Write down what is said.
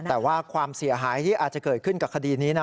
แต่ว่าความเสียหายที่อาจจะเกิดขึ้นกับคดีนี้นะ